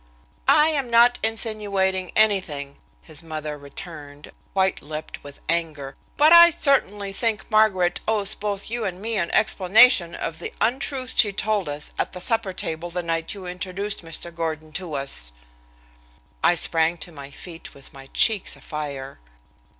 "I am not insinuating anything," his mother returned, white lipped with anger, "but I certainly think Margaret owes both you and me an explanation of the untruth she told us at the supper table the night you introduced Mr. Gordon to us." I sprang to my feet with my cheeks afire.